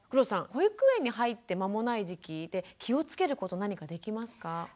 保育園に入って間もない時期で気をつけること何かできますか？